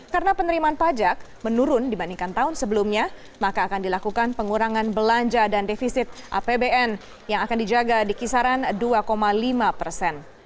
karena penerimaan pajak menurun dibandingkan tahun sebelumnya maka akan dilakukan pengurangan belanja dan defisit apbn yang akan dijaga di kisaran dua lima persen